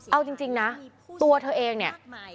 เอาจริงนะตัวเธอเองเนี่ย